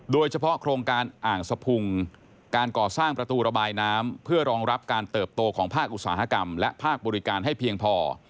โครงการอ่างสะพุงการก่อสร้างประตูระบายน้ำเพื่อรองรับการเติบโตของภาคอุตสาหกรรมและภาคบริการให้เพียงพอ